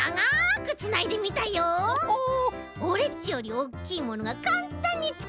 オレっちよりおおきいものがかんたんにつくれちゃった。